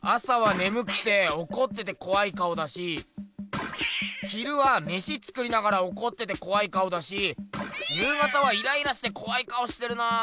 朝はねむくておこっててこわい顔だし昼はメシ作りながらおこっててこわい顔だし夕方はイライラしてこわい顔してるな。